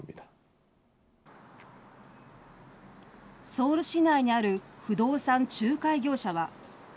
ソウル市内にある不動産仲介業者は。